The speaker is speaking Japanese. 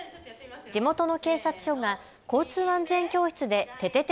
地元の警察署が交通安全教室でててて！